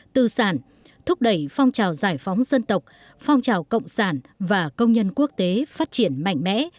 tư sản thúc đẩy phong trào giải phóng dân tộc phong trào cộng sản và công nhân quốc tế phát triển mạnh mẽ